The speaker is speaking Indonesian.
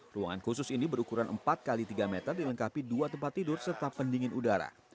ruangan khusus ini berukuran empat x tiga meter dilengkapi dua tempat tidur serta pendingin udara